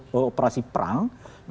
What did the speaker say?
namanya operasi selain perang kan